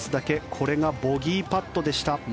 これがボギーパットでした。